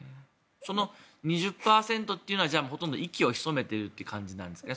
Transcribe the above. その２０％というのはほとんど息をひそめているって感じなんですか。